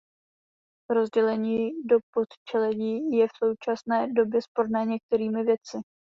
Rozdělení do podčeledí je v současné době sporné některými vědci.